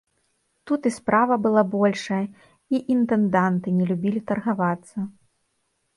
Тут і справа была большая, і інтэнданты не любілі таргавацца.